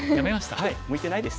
はい向いてないです。